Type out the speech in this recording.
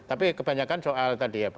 tapi kebanyakan soal tadi ya